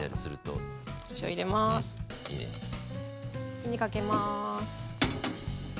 火にかけます。